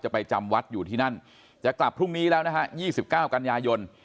ไปจำวัดอยู่ที่นั่นจะกลับพรุ่งนี้แล้วนะฮะ๒๙กันยายน